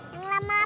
yang lama lama ya